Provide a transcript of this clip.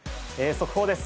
速報です。